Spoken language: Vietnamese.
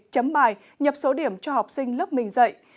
chấm bài nhập số điểm cho học sinh lớp mình dạy